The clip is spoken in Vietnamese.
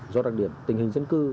do đặc điểm tình hình dân cư